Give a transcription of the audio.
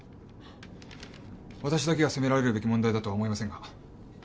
わたしだけが責められるべき問題だとは思いませんが。